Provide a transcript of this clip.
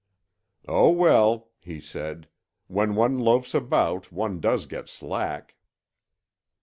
"Oh, well," he said. "When one loafs about, one does get slack."